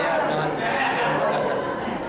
yang saya pilih saya adalah maksar